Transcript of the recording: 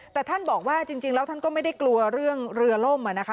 แต่ท่านบอกว่าจริงแล้วท่านก็ไม่ได้กลัวเรื่องเรือล่มนะคะ